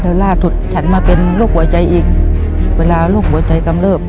วัน๒๐นาที๓นาที